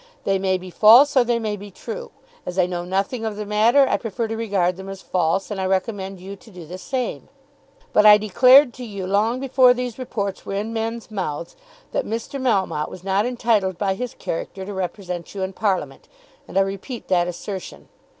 They may be false or they may be true. As I know nothing of the matter, I prefer to regard them as false, and I recommend you to do the same. But I declared to you long before these reports were in men's mouths, that Mr. Melmotte was not entitled by his character to represent you in parliament, and I repeat that assertion.